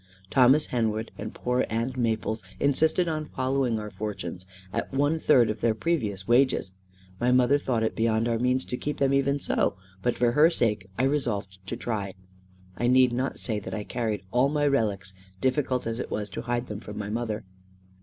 Thomas Henwood and poor Ann Maples insisted on following our fortunes, at one third of their previous wages. My mother thought it beyond our means to keep them even so; but for her sake I resolved to try. I need not say that I carried all my relics, difficult as it was to hide them from my mother.